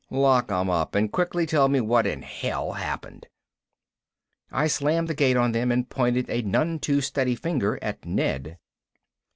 "Lock 'em up and quickly tell me what in hell happened." I slammed the gate on them and pointed a none too steady finger at Ned.